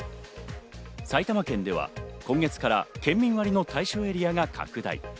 埼玉県では今月から県民割の対象エリアが拡大。